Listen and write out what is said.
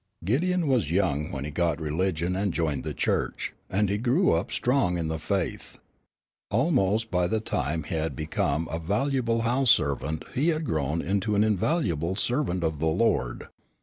Gideon was young when he got religion and joined the church, and he grew up strong in the faith. Almost by the time he had become a valuable house servant he had grown to be an invaluable servant of the Lord.